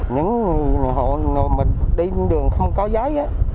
những người hộ mình đi đường không có giấy